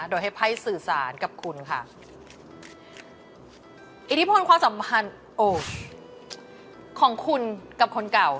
โดยให้ไพ่สื่อสารกับคุณค่ะอิทธิพลความสัมพันธ์โอของคุณกับคนเก่า